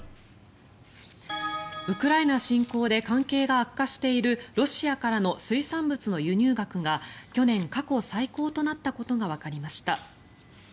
ウクライナ侵攻で関係が悪化しているロシアからの水産物の輸入額が去年、過去最高となったことがわかりました。